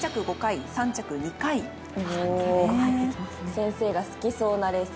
先生が好きそうなレースですね。